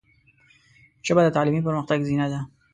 ژبه د تعلیمي پرمختګ زینه ده